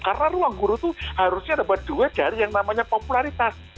karena ruang guru itu harusnya dapat duit dari yang namanya popularitas